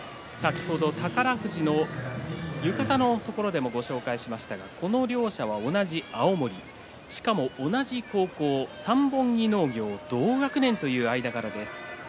宝富士、浴衣のところでもご紹介しましたがこの両者は同じ青森同じ高校三本木農業同学年という間柄です。